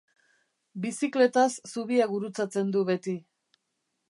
Bizikletaz zubia gurutzatzen du beti.